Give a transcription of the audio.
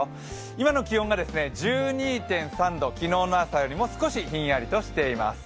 今の気温が１２．３度、昨日の朝よりも少しひんやりとしています。